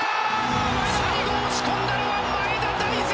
最後押し込んだのは前田大然！